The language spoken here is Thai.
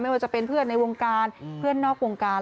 ว่าจะเป็นเพื่อนในวงการเพื่อนนอกวงการ